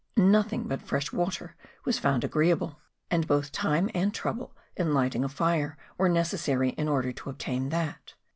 Nothing but fresh water was found agreeable; and both time and MONT BI^VNC. 9 trouble in lighting a fire were necessary in order to obtain that.